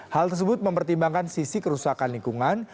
hal tersebut mempertimbangkan sisi kerusakan lingkungan